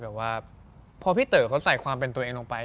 แบบว่าพอพี่เต๋อเขาใส่ความเป็นตัวเองลงไป